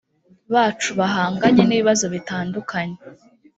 bacu bahanganye n ibibazo bitandukanye